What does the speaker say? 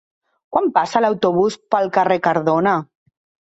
Quan passa l'autobús pel carrer Cardona?